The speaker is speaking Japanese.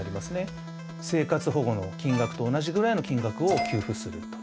生活保護の金額と同じぐらいの金額を給付すると。